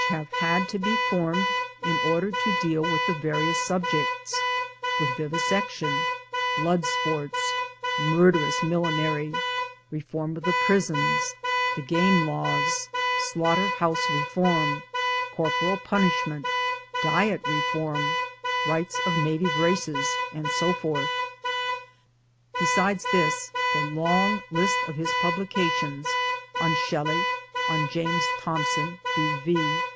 23$ MY DAYS AND DREAMS had to be formed in order to deal with the various subjects with Vivisection, Blood Sports, * Mur derous Millinery/ Reform of the Prisons, the Game Laws, Slaughter house Reform, Corporal Punishment, Diet Reform, Rights of Native Races, and so forth. Besides this the long list of his publications on Shelley, on James Thomson (B.V.)